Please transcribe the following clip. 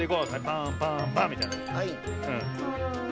パンパンパンみたいな。